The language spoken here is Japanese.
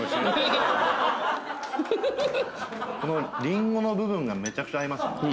このりんごの部分がめちゃくちゃ合いますね。